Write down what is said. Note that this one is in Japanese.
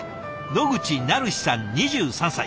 野口愛陽さん２３歳。